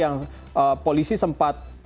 yang polisi sempat